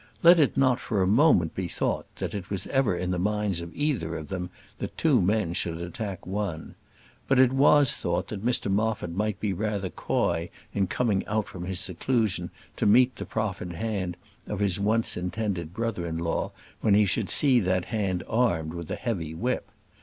Let it not for a moment be thought that it was ever in the minds of either of them that two men should attack one. But it was thought that Mr Moffat might be rather coy in coming out from his seclusion to meet the proffered hand of his once intended brother in law when he should see that hand armed with a heavy whip.